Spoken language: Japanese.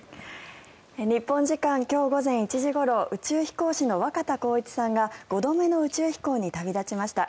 日本時間今日午前１時ごろ宇宙飛行士の若田光一さんが５度目の宇宙飛行に旅立ちました。